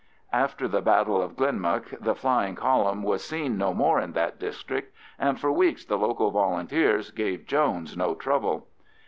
After the battle of Glenmuck the flying column was seen no more in that district, and for weeks the local Volunteers gave Jones no trouble.